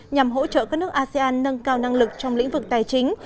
nhằm hỗ trợ các nước asean nâng cao năng lực trong lĩnh vực tài chính